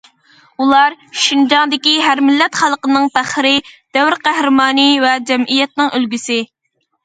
ئۇلار شىنجاڭدىكى ھەر مىللەت خەلقنىڭ پەخرى، دەۋر قەھرىمانى ۋە جەمئىيەتنىڭ ئۈلگىسى.